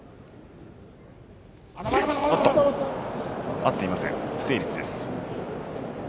合っていません不成立です。